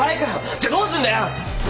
じゃどうすんだよ。